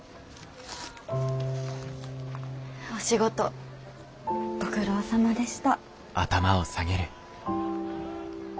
お仕事ご苦労さまでした。